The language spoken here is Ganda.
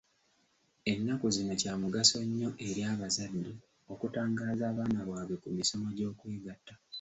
Ennaku zino kya mugaso nnyo eri abazadde okutangaaza abaana baabwe ku misomo gy'okwegatta.